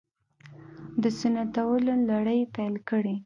د ستنولو لړۍ پیل کړې